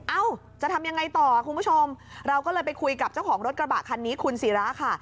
เอ้าจะทำยังไงต่อคุณผู้ชมเราก็เลยไปคุยกับเจ้าของรถกระบะคันนี้คุณศิราค่ะ